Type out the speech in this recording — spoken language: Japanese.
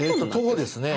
徒歩ですね。